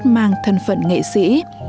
đã trót mang thân phận nghệ sĩ